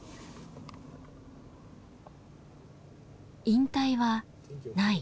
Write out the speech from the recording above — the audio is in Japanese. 「引退はない」。